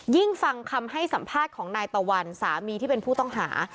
ฟังคำให้สัมภาษณ์ของนายตะวันสามีที่เป็นผู้ต้องหา